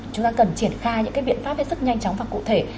chúng ta cần triển khai những cái biện pháp rất nhanh chóng và cụ thể